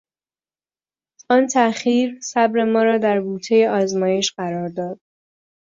آن تاخیر صبر ما را در بوتهی آزمایش قرارداد.